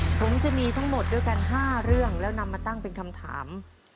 ผมจะมีทั้งหมดด้วยกัน๕เรื่องแล้วนำมาตั้งเป็นคำถาม